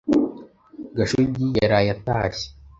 Gashugi yaraye atashye.